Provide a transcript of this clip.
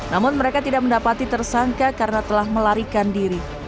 namun mereka tidak mendapati tersangka karena telah melarikan diri